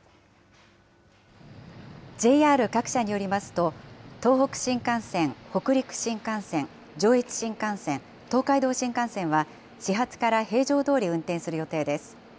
ＪＲ各社によりますと、東北新幹線、北陸新幹線、上越新幹線、東海道新幹線は、始発から平常どおり運転する予定です。